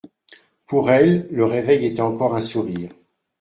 Pour elle, le réveil était encore un sourire.